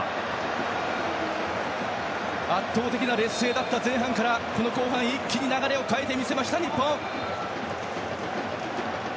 圧倒的な劣勢だった前半から後半、一気に流れを変えた日本。